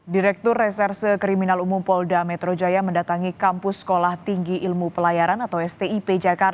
direktur reserse kriminal umum polda metro jaya mendatangi kampus sekolah tinggi ilmu pelayaran atau stip jakarta